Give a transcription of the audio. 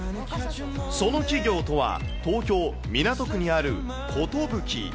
その企業とは、東京・港区にあるコトブキ。